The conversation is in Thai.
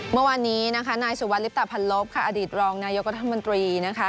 เมื่อวานนี้นะคะนายสุวัสดลิปตะพันลบค่ะอดีตรองนายกรัฐมนตรีนะคะ